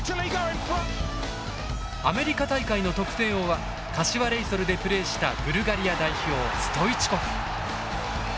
アメリカ大会の得点王は柏レイソルでプレーしたブルガリア代表ストイチコフ。